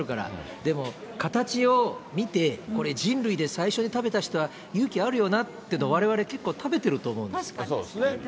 でも形を見て、これ、人類で最初に食べた人は、勇気あるよなってのは、われわれ結構食べてると思うんですよ。